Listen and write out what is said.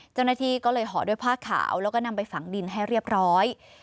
เจ้าหน้าที่ก็เลยห่อด้วยผ้าขาวแล้วก็นำไปฝังดินให้เรียบร้อย